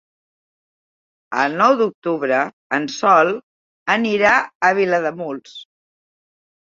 El nou d'octubre en Sol anirà a Vilademuls.